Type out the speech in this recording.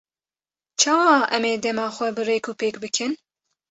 Çawa em ê dema xwe bi rêkûpêk bikin?